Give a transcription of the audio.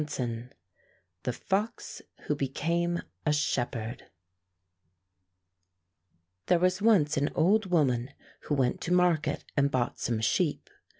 i: THE FOX WHO BECAME A SHEPHERD T here was once an old woman who went to market and bought some sheep.